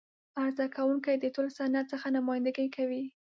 عرضه کوونکی د ټول صنعت څخه نمایندګي کوي.